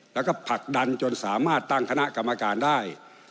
แล้วก็ผลักดันจนสามารถตั้งคณะกรรมการได้